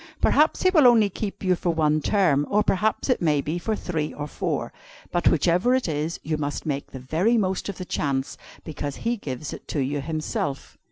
Perhaps He will only keep you for one term, or perhaps it may be for three or four; but whichever it is, you must make the very most of the chance, because He gives it to you Himself.'"